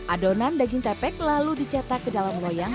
adonan daging tepek lalu dicetak ke dalam loyang